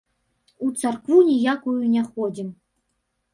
У царкву ніякую не ходзім.